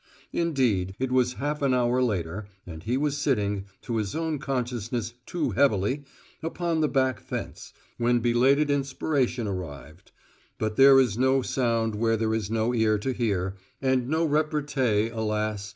Indeed, it was half an hour later, and he was sitting to his own consciousness too heavily upon the back fence, when belated inspiration arrived. But there is no sound where there is no ear to hear, and no repartee, alas!